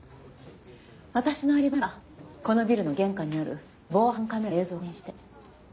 私のアリバイならこのビルの玄関にある防犯カメラの映像を確認して。